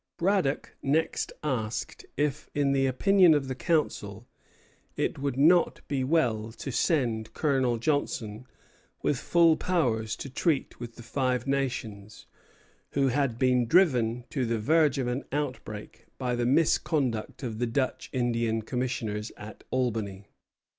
Braddock next asked if, in the judgment of the Council, it would not be well to send Colonel Johnson with full powers to treat with the Five Nations, who had been driven to the verge of an outbreak by the misconduct of the Dutch Indian commissioners at Albany.